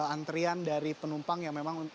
antrian dari penumpang yang memang